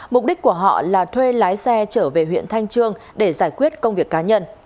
mục đích của họ là thuê lái xe trở về huyện thanh trương để giải quyết công việc cá nhân